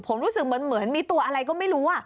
ผมรู้สึกเหมือนมีตัวอะไรก็ไม่รู้